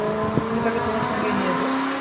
তুমি তাকে তোমার সঙ্গেই নিয়ে যাও।